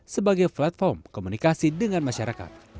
sebagai platform komunikasi dengan masyarakat